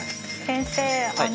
先生